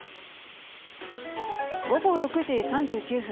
午後６時３９分。